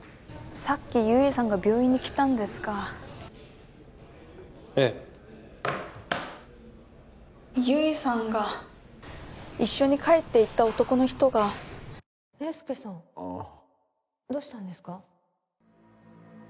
さっき悠依さんが病院に来たんですがええ悠依さんが一緒に帰っていった男の人が英介さんどうしたんですか？